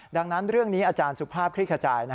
ดังนั้นเรื่องนี้อาจารย์สุภาพคลิกขจาย